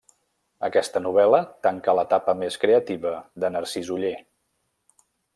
Aquesta novel·la tanca l'etapa més creativa de Narcís Oller.